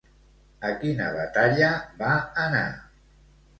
A quina batalla va anar?